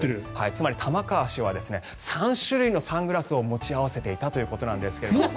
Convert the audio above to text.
つまり、玉川氏は３種類のサングラスを持ち合わせていたということですが。